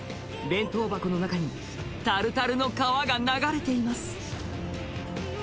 弁当箱の中にタルタルの川が流れています